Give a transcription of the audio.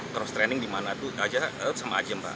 cross training dimana aja itu sama aja